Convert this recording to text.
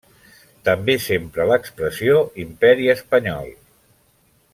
També s'empra l'expressió Imperi Espanyol.